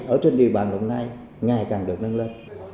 ở trên địa bàn lúc này ngày càng được nâng lên